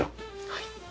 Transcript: はい。